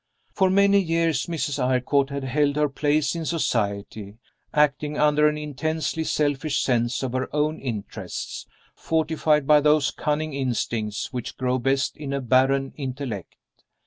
For many years Mrs. Eyrecourt had held her place in society, acting under an intensely selfish sense of her own interests, fortified by those cunning instincts which grow best in a barren intellect.